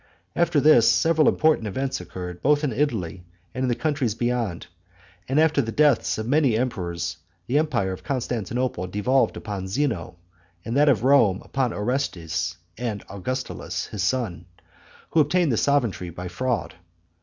After this, several important events occurred both in Italy and in the countries beyond; and after the deaths of many emperors the empire of Constantinople devolved upon Zeno, and that of Rome upon Orestes and Augustulus his son, who obtained the sovereignty by fraud.